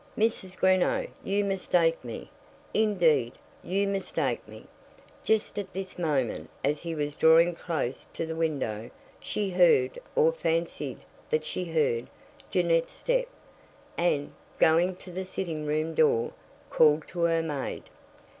"Mrs. Greenow, you mistake me. Indeed, you mistake me." Just at this moment, as he was drawing close to the widow, she heard, or fancied that she heard, Jeannette's step, and, going to the sitting room door, called to her maid.